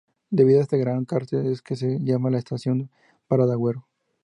Debido a este gran cartel es que se llamaba a la estación Parada Agüero.